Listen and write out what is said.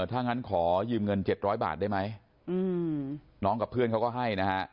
ถ้างั้นขอยืมเงิน๗๐๐บาทได้ไหมน้องกับเพื่อนเขาก็ให้นะฮะ